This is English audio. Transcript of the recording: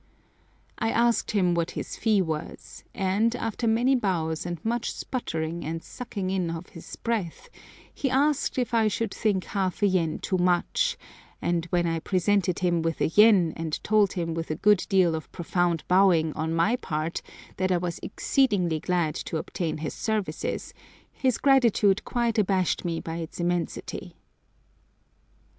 I asked him what his fee was, and, after many bows and much spluttering and sucking in of his breath, he asked if I should think half a yen too much, and when I presented him with a yen, and told him with a good deal of profound bowing on my part that I was exceedingly glad to obtain his services, his gratitude quite abashed me by its immensity.